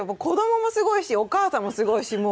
子どももすごいしお義母さんもすごいし。